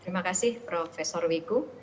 terima kasih profesor wiku